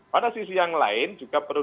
pada sisi yang lain juga perlu